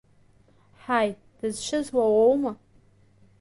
Ҳаи, дызшьыз уа уоума?